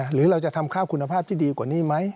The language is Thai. หรือเราจะทำข้าวคุณภาพที่ดีกว่านี้ไหม